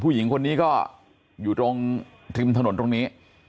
ผู้หญิงคนนี้ก็อยู่ตรงริมถนนตรงนี้